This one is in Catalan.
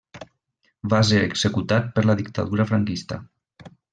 Va ser executat per la dictadura franquista.